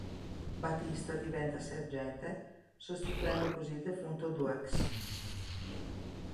Batista diventa sergente, sostituendo così il defunto Doakes.